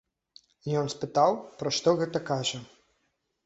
Ён спытаў, пра што гэта кажа?